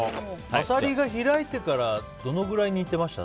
アサリが開いてからどのくらい煮てました？